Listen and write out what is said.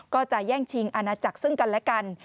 ก็จะแย่งชิงอาณาจักรซึ่งกันและกัน